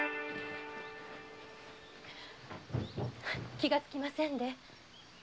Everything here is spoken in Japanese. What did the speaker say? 気がつきませんで。